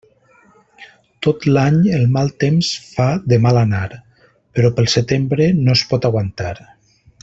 Tot l'any el mal temps fa de mal anar; però pel setembre no es pot aguantar.